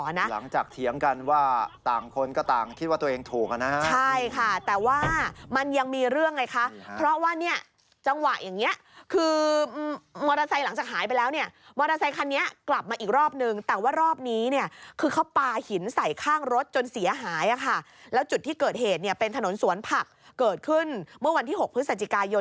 หลังจากเถียงกันว่าต่างคนก็ต่างคิดว่าตัวเองถูก